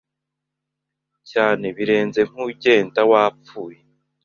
cyane birenze nkugenda wapfuye